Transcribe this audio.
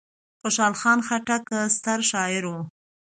خوشحال خان خټک ستر شاعر و.